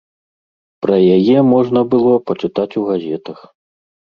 Пра яе можна было пачытаць у газетах.